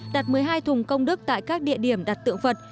đặt một mươi hai thùng công đức tại các địa điểm đặt tượng vật